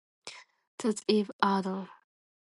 That's Eve Arden.